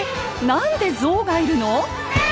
何でゾウがいるの⁉